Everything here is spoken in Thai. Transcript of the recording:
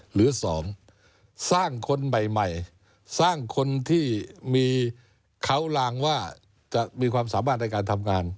หรือ๒สร้างคนใหม่สร้างคนที่มีเขาลางว่าจะมีความสามารถในการทำงาน